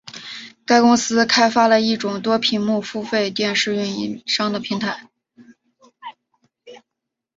该公司开发了一种多屏幕付费电视运营商的平台。